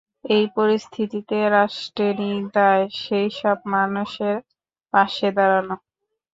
এই পরিস্থিতিতে রাষ্ট্রেরই দায় সেই সব মানুষের পাশে দাঁড়ানো।